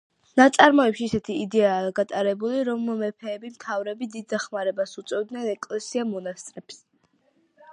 ნაწარმოებში ისეთი იდეაა გატარებული, რომ მეფეები, მთავრები დიდ დახმარებას უწევდნენ ეკლესია-მონასტრებს.